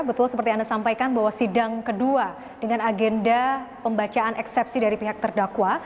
betul seperti anda sampaikan bahwa sidang kedua dengan agenda pembacaan eksepsi dari pihak terdakwa